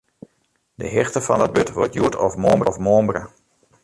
De hichte fan dat bod wurdt hjoed of moarn bekendmakke.